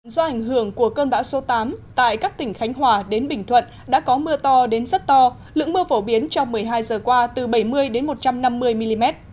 do ảnh hưởng của cơn bão số tám tại các tỉnh khánh hòa đến bình thuận đã có mưa to đến rất to lưỡng mưa phổ biến trong một mươi hai giờ qua từ bảy mươi đến một trăm năm mươi mm